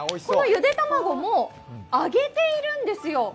このゆで卵も揚げているんですよ。